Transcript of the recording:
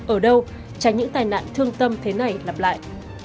ở đâu tránh những tai nạn thương tâm thế này lặp lại